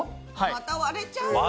また割れちゃうよ。